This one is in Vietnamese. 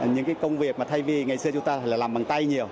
những cái công việc mà thay vì ngày xưa chúng ta làm bằng tay nhiều